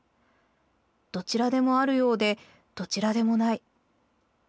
どちらでもあるようでどちらでもない。